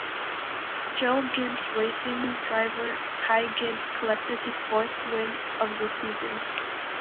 Joe Gibbs Racing driver Ty Gibbs collected his fourth win of the season.